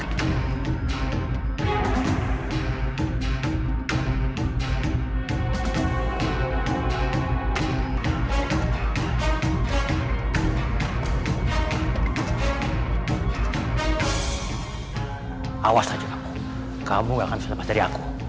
awas aja kamu kamu gak akan terlepas dari aku